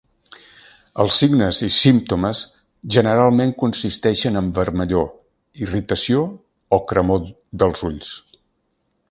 Els signes i símptomes generalment consisteixen en vermellor, irritació o cremor dels ulls.